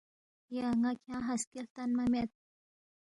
یا ن٘ا کھیانگ ہسکے ہلتنما مید